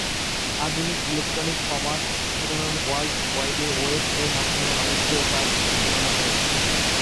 আধুনিক electronic commerce সাধারণত world wide web এর মাধ্যমে বাণিজ্য কাজ পরিচালনা করে।